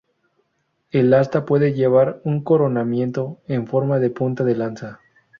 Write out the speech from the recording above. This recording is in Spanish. El asta puede llevar un coronamiento en forma de punta de lanza.